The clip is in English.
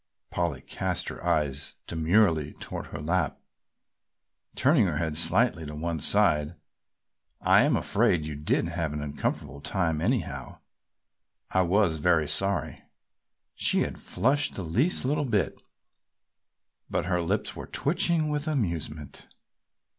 Polly cast her eyes demurely toward her lap, turning her head slightly to one side, "I am afraid you did have an uncomfortable time anyhow. I was very sorry." She had flushed the least little bit, but her lips were twitching with amusement.